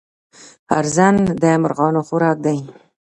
ارزن د مرغانو خوراک دی.